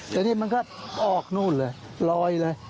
แต่นี่มันก็ออกนู่นเลยลอยเลย